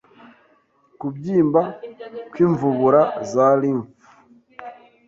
Kubyimba kw’imvubura za lymph